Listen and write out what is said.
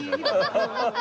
アハハハハ！